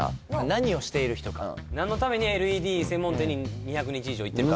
何をしている人か何のためにＬＥＤ専門店に２００日以上行ってるかってことね